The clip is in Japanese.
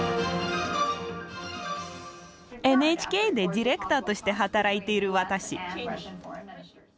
ＮＨＫでディレクターとして働いている私。